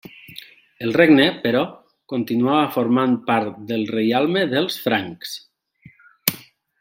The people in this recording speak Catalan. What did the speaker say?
El regne, però, continuava formant part del Reialme dels Francs.